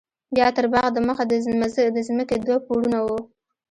بيا تر باغ د مخه د ځمکې دوه پوړونه وو.